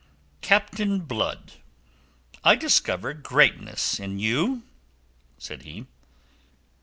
"Captain Blood, I discover greatness in you," said he.